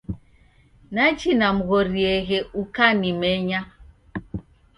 Nachi namghorieghe ukanimenya.